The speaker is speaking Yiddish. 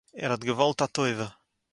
ער האט געוואלט א טובה